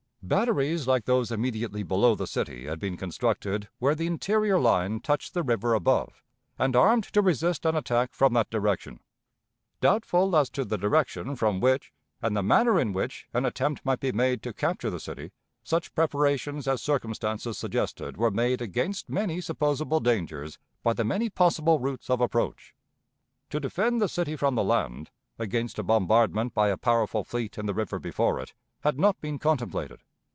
Batteries like those immediately below the city had been constructed where the interior line touched the river above, and armed to resist an attack from that direction. Doubtful as to the direction from which, and the manner in which, an attempt might be made to capture the city, such preparations as circumstances suggested were made against many supposable dangers by the many possible routes of approach. To defend the city from the land, against a bombardment by a powerful fleet in the river before it, had not been contemplated.